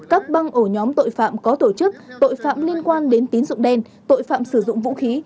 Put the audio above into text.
các băng ổ nhóm tội phạm có tổ chức tội phạm liên quan đến tín dụng đen tội phạm sử dụng vũ khí